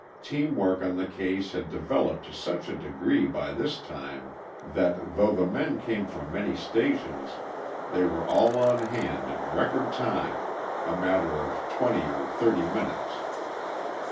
Team work on the case had developed to such a degree by this time that, though the men came from many stations, they were all on hand in record time, a matter of twenty or thirty minutes.